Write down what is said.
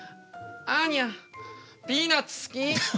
アーニャピーナツ好き。